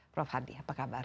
prof hardi apa kabar